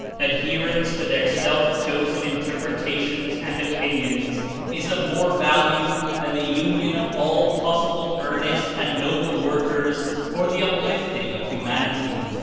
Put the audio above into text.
Adherence to their self chosen Interpretations and opinions is of more value than the union of all possible earnest and noble work ers for the uplifting of humanity.